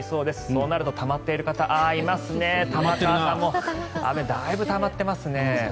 そうなるとたまっている方ああ、いますね玉川さんもだいぶたまっていますね。